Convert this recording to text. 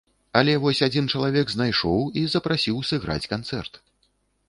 Але вось адзін чалавек знайшоў, і запрасіў сыграць канцэрт.